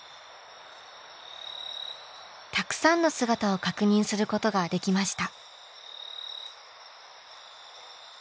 たくさんの姿を確認することができました。